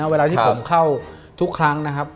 เวลาที่ผมเข้าทุกครั้ง